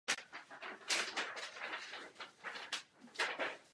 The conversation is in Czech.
Ale možná něco nechápu.